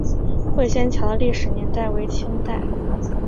会仙桥的历史年代为清代。